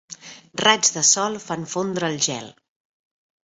Raigs de sol fan fondre el gel.